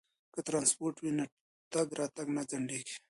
که ترانسپورت وي نو تګ راتګ نه ځنډیږي.